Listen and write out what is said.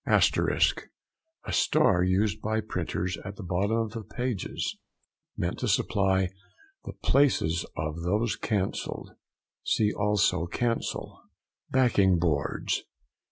ASTERISK.—A star used by printers at the bottom of the pages meant to supply the places of those cancelled (see also CANCEL). BACKING BOARDS.